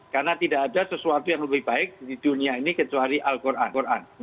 karena tidak ada sesuatu yang lebih baik di dunia ini kecuali al quran